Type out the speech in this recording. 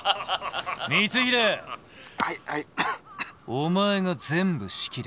お前が全部仕切れ。